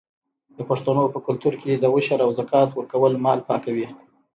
د پښتنو په کلتور کې د عشر او زکات ورکول مال پاکوي.